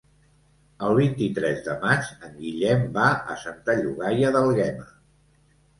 El vint-i-tres de maig en Guillem va a Santa Llogaia d'Àlguema.